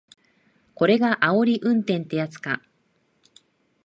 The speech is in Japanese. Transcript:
これがあおり運転ってやつか